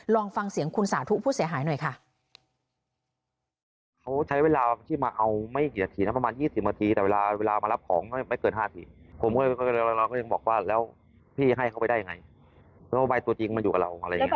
ลองฟังเสียงคุณสาธุผู้เสียหายหน่อยค่ะ